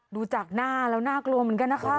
ดูจากหน้าแล้วน่ากลัวเหมือนกันนะคะ